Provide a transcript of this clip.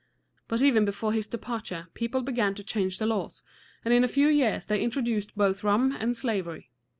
But even before his departure people began to change the laws, and in a few years they introduced both rum and slavery.